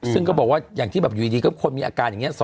ซึ่งก็บอกว่าอย่างที่แบบอยู่ดีก็คนมีอาการอย่างนี้